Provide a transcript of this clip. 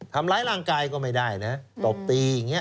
ทำร้ายร่างกายก็ไม่ได้นะตบตีอย่างนี้